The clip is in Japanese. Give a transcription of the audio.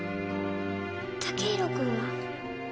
剛洋君は？